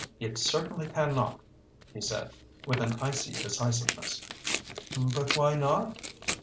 "It certainly can not," he said, with an icy decisiveness. "But why not?"